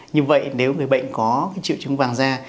như vậy nếu người bệnh có triệu chứng vàng da